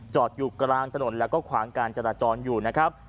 อยู่กลางถนนแล้วก็ขวางการจราจรอยู่นะครับ